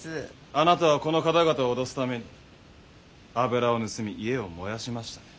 あなたはこの方々を脅すために油を盗み家を燃やしましたね。